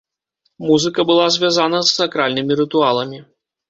Музыка была звязана з сакральнымі рытуаламі.